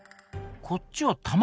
こっちは卵？